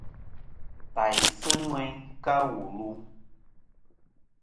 Tàysɨ ŋweyn ka wù lu.